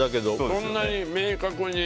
そんなに明確に。